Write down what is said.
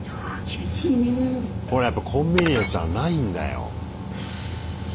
ほらやっぱコンビニエンスはないんだよ。